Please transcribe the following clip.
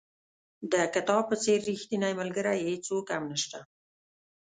د کتاب په څېر ریښتینی ملګری هېڅوک هم نشته.